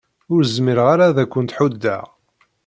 Ur zmireɣ ara ad kent-ḥuddeɣ.